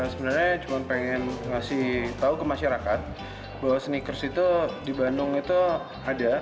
sebenarnya cuma pengen ngasih tahu ke masyarakat bahwa sneakers itu di bandung itu ada